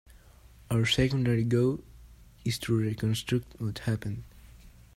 Our secondary goal is to reconstruct what happened.